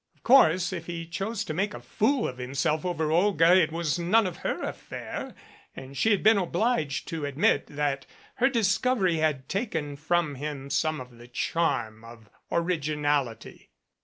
Of course, if he chose to make a fool of himself over Olga it was none of her affair, and she had been obliged to admit that her discovery had taken from him some of the charm of origi nality.